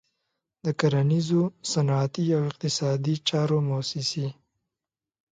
د کرنیزو، صنعتي او اقتصادي چارو موسسې.